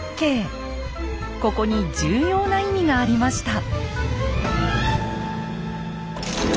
ここに重要な意味がありました。